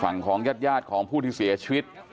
ของญาติของผู้ที่เสียชีวิต